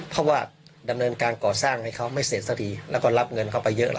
เพราะว่าดำเนินการก่อสร้างให้เขาไม่เสร็จสักทีแล้วก็รับเงินเข้าไปเยอะแล้ว